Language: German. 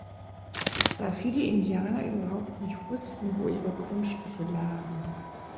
Da viele Indianer überhaupt nicht wussten, wo ihre Grundstücke lagen.